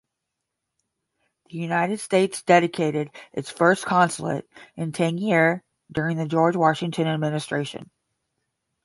The United States dedicated its first consulate in Tangier during the George Washington administration.